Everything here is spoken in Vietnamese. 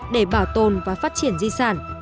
để bảo tồn và phát triển di sản